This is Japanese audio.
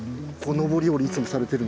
上り下りいつもされてる？